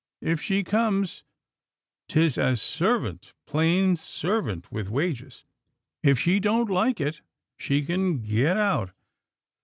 If she comes, 'tis as servant — plain servant, with wages. If she don't like it, she can get out.